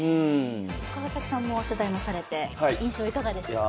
川崎さんも取材をされて印象いかがですか？